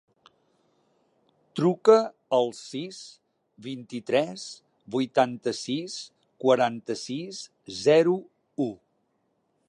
Truca al sis, vint-i-tres, vuitanta-sis, quaranta-sis, zero, u.